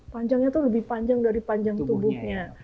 panjangnya itu lebih panjang dari panjang tubuhnya